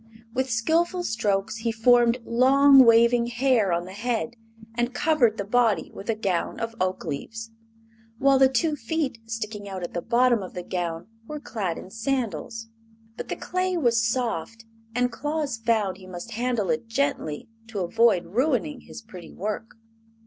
With skillful strokes he formed long, waving hair on the head and covered the body with a gown of oakleaves, while the two feet sticking out at the bottom of the gown were clad in sandals. But the clay was soft, and Claus found he must handle it gently to avoid ruining his pretty work.